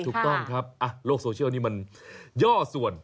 ถูกต้องครับโลกโซเชียลนี้มันย่อส่วน